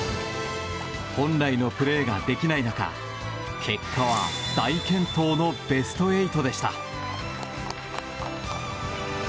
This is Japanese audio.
本来のプレーができない中結果は大健闘のベスト８でした。